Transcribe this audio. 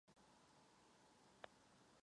Vedle Kostela se nachází klášter minoritů.